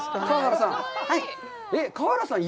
川原さん。